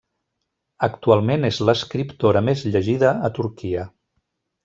Actualment és l'escriptora més llegida a Turquia.